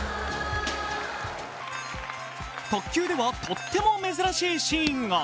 卓球ではとても珍しいシーンが。